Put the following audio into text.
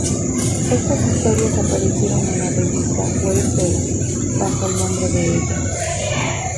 Estas historias aparecieron en la revista "Weird Tales" bajo el nombre de ella.